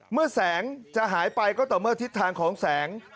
เมื่อแสงจะหายไปก็ต่อเมื่อทิศทางของแสง